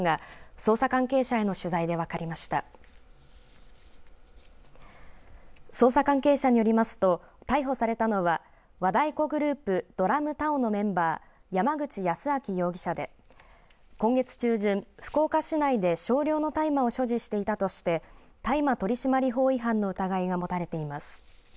捜査関係者によりますと逮捕されたのは、和太鼓グループＤＲＵＭＴＡＯのメンバー山口泰明容疑者で今月中旬、福岡市内で少量の大麻を所持していたとして大麻取締法違反の疑いが持たれています。